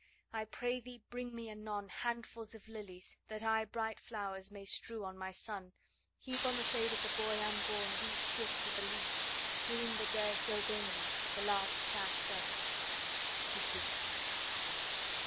I pray thee bring me anon Handfuls of lilies, that I bright flowers may strew on my son, Heap on the shade of the boy unborn these gifts at the least, Doing the dead, though vainly, the last sad service.' He ceased.